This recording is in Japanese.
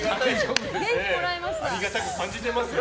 ありがたく感じていますよ。